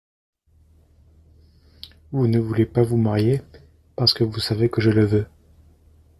Vous ne voulez pas vous marier, parce que vous savez que je le veux.